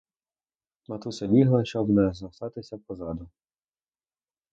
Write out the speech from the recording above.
Маруся бігла, щоб не зостатися позаду.